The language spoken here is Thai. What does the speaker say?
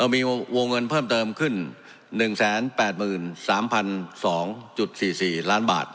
มีวงเงินเพิ่มเติมขึ้น๑๘๓๒๔๔ล้านบาท